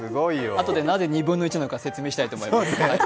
あとで、なぜ２分の１なのか説明したいと思います。